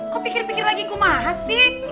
kok pikir pikir lagi kumaha sih